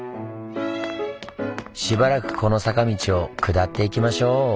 しばらくこの坂道を下っていきましょう！